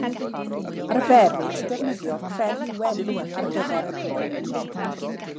Arferid defnyddio pren ywen ar gyfer y bwa hir.